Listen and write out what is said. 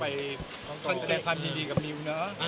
ไปกำลังแสดงความยินดีกับมิวเนอะ